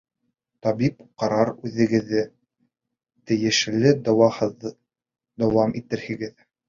Табип ҡарар үҙегеҙҙе, тейешле дауағыҙҙы дауам итерһегеҙ.